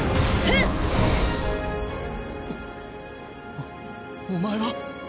あっお前は？